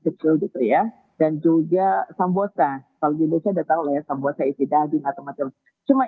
gitu gitu ya dan juga sambosa kalau di indonesia udah tahu ya sambosa isi daging atau macam cuma